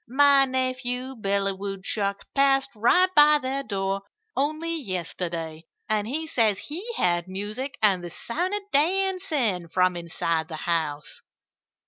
My nephew, Billy Woodchuck, passed right by their door only yesterday; and he says he heard music and the sound of dancing from inside the house."